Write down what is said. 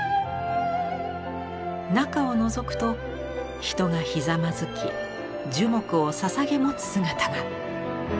中をのぞくと人がひざまずき樹木をささげ持つ姿が。